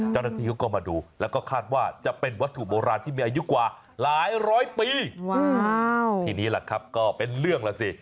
เจ้าหน้าที่เขาก็มาดูแล้วก็คาดว่าจะเป็นวัตถุโบราณที่มีอายุกว่าหลายร้อยปีว้าวทีนี้แหละครับก็เป็นเรื่องล่ะสิ